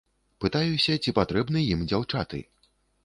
Пытаюся, ці патрэбны ім дзяўчаты.